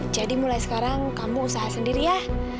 jadi mulai sekarang kamu usaha sendiri ya